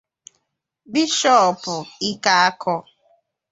Bishọọpụ Ikeakọr